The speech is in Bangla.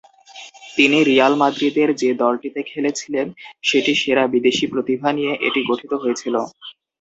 তিনি রিয়াল মাদ্রিদের যে দলটিতে খেলেছিলেন সেটি সেরা বিদেশী প্রতিভা নিয়ে এটি গঠিত হয়েছিল।